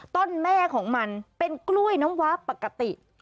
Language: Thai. ต้นแม่ของมันเป็นกล้วยน้ำว้าปกติ